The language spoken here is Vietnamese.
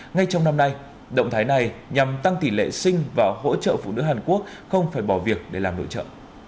ngay trong năm nay động thái này nhằm tăng tỷ lệ sinh và hỗ trợ phụ nữ hàn quốc không phải bỏ việc để làm nội trợ